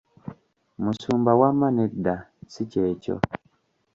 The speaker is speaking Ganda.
Musumba wama nedda, si kyekyo.